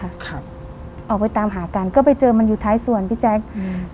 ครับออกไปตามหากันก็ไปเจอมันอยู่ท้ายส่วนพี่แจ๊คอืม